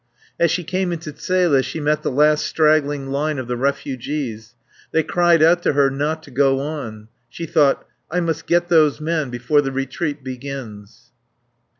As she came into Zele she met the last straggling line of the refugees. They cried out to her not to go on. She thought: I must get those men before the retreat begins.